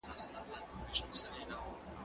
زه به سبا سړو ته خواړه ورکړم